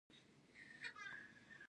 ازادي راډیو د سوله ستر اهميت تشریح کړی.